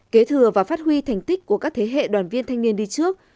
kế thừa và phát huy thành tích của các thế hệ đoàn viên thanh niên đi trước